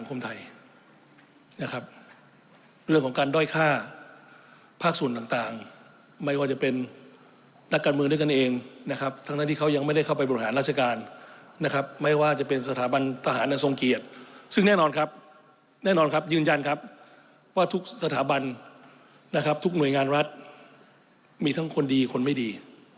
คนไทยนะครับเรื่องของการด้อยค่าภาคส่วนต่างไม่ว่าจะเป็นนักการเมืองด้วยกันเองนะครับทั้งที่เขายังไม่ได้เข้าไปบริหารราชการนะครับไม่ว่าจะเป็นสถาบันทหารอันทรงเกียรติซึ่งแน่นอนครับแน่นอนครับยืนยันครับว่าทุกสถาบันนะครับทุกหน่วยงานรัฐมีทั้งคนดีคนไม่ดี